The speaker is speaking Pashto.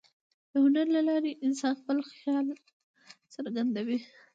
د هنر له لارې انسان خپل خیال څرګندوي.